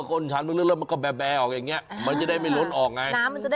ก้นชามลึกแบบแบออกอย่างงี้มันจะได้ไม่ล้นออกไง